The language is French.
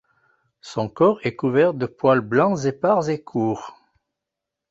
Son corps est couvert de poils blancs épars et courts.